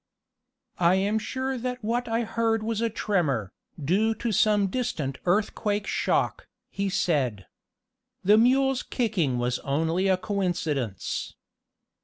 "I am sure that what I heard was a tremor, due to some distant earthquake shock," he said. "The mule's kicking was only a coincidence."